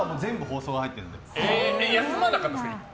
休まなかったんですか？